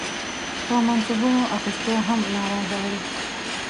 په منصبونو اخیستو هم ناراضه ول.